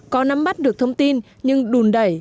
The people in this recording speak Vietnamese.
có nắm mắt được thông tin nhưng đùn đẩy